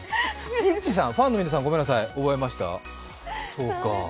イッチさん、ファンの皆さんごめんなさい、覚えました。